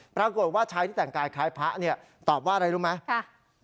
ปรากฏว่าชายที่แต่งกายคล้ายพระเนี่ยตอบว่าอะไรรู้ไหม